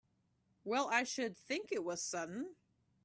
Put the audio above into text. Well I should think it was sudden!